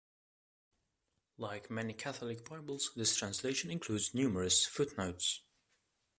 Like many Catholic bibles, this translation includes numerous footnotes.